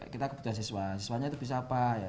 kita kebutuhan siswa siswanya itu bisa apa ya